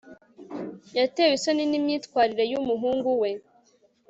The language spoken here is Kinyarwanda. yatewe isoni n imyitwarire yumuhungu we